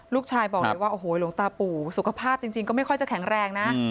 ลูกชายบอกเลยว่าโอ้โหหลวงตาปู่สุขภาพจริงก็ไม่ค่อยจะแข็งแรงนะ